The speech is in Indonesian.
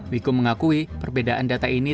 wiku mengakui perbedaan data ini